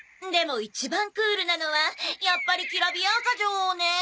でも一番クールなのはやっぱりキラビヤーカ女王ね。